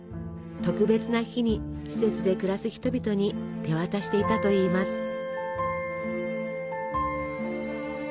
特別な日に施設で暮らす人々に手渡していたといいます。